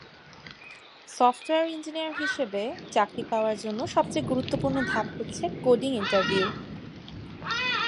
Software engineer হিসেবে চাকরি পাওয়ার জন্য সবচেয়ে গুরুত্বপূর্ণ ধাপ হচ্ছে কোডিং ইন্টারভিউ।